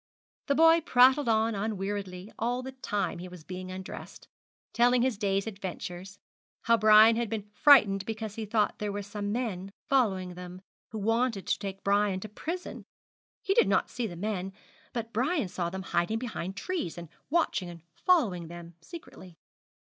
The boy prattled on unweariedly all the time he was being undressed, telling his day's adventures, how Brian had been frightened because he thought there were some men following them, who wanted to take Brian to prison. He did not see the men, but Brian saw them hiding behind trees, and watching and following them secretly.